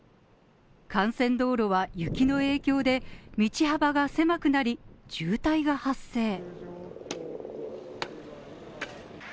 幹線道路は、雪の影響で道幅が狭くなり、渋滞が発生。